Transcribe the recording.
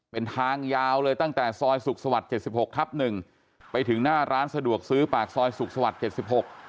เป็นทางยาวเลยตั้งแต่ซอยสุขสวัสดิ์๗๖ทับ๑ไปถึงหน้าร้านสะดวกซื้อปากซอยสุขสวัสดิ์๗๖